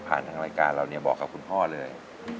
ทางรายการเราเนี่ยบอกกับคุณพ่อเลย